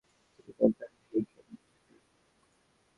তিনি কোপেনহেগেন বিশ্ববিদ্যালয়ে পড়াশোনা শুরু করেছিলেন।